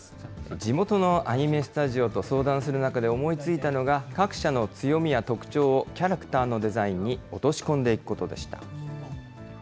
地元のアニメスタジオと相談する中で思いついたのが、各社の強みや特徴をキャラクターのデザインに落とし込んでいくことでした。